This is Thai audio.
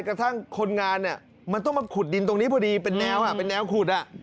กระทั่งคนงานเนี่ยมันต้องมาขุดดินตรงนี้พอดีเป็นแนวเป็นแนวขุด